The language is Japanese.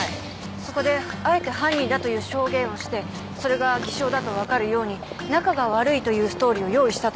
そこであえて犯人だという証言をしてそれが偽証だと分かるように仲が悪いというストーリーを用意したと。